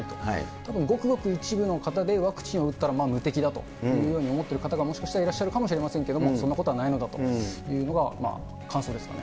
たぶん、ごくごく一部の方でワクチンを打ったら無敵だというふうに思ってる方がもしかしたらいらっしゃるかもしれませんけれども、そんなことはないのだというのが感想ですかね。